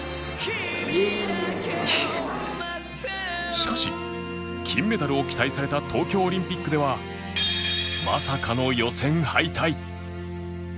しかし金メダルを期待された東京オリンピックではまさかの予選敗退